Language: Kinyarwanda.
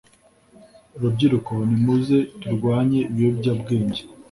Rubyiruko nimuze turwanye ibiyobya bwenge